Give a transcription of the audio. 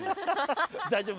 大丈夫。